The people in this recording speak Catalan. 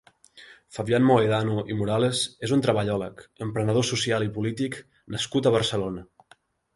Fabian Mohedano i Morales és un treballòleg, emprenedor social i polític nascut a Barcelona.